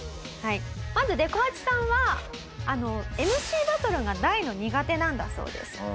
まずでこ八さんはＭＣバトルが大の苦手なんだそうです。